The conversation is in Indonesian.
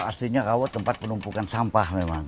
aslinya rawa tempat penumpukan sampah memang